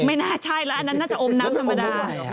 ไม่น่าใช่แล้วอันนั้นน่าจะอมน้ำธรรมดา